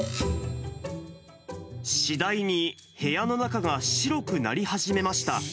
次第に部屋の中が白くなり始めました。